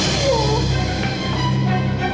wiss ada api di sini